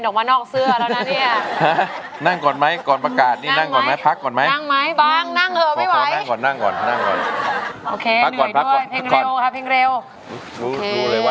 ดูสิตับออกมานี้ทีเลยนะเนี่ย